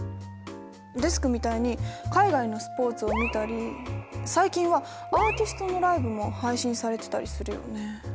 デスクみたいに海外のスポーツを見たり最近はアーティストのライブも配信されてたりするよね。